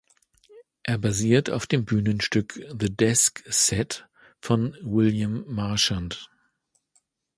Er basiert auf dem Bühnenstück "The Desk Set" von William Marchant.